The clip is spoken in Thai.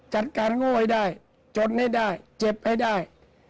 จัดการโง่ให้ได้จนให้ได้เจ็บให้ได้